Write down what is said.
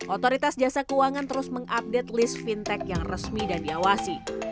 otoritas jasa keuangan terus mengupdate list fintech yang resmi dan diawasi